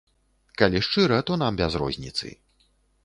Калі шчыра, то нам без розніцы.